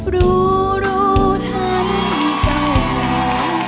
รู้รู้ทันมีเจ้าขวา